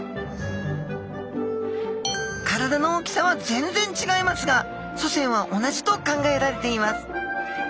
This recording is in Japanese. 体の大きさは全然違いますが祖先は同じと考えられています。